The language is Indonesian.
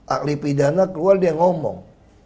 akhlipidana keluar dia ngomong